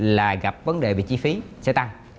là gặp vấn đề về chi phí sẽ tăng